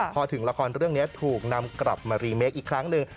พอถึงละครเรื่องนี้ถูกนำกลับมารีเมคอีกครั้งหนึ่ง